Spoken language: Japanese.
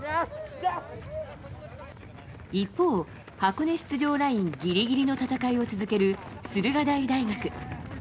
一方、箱根出場ラインギリギリの戦いを続ける駿河台大学。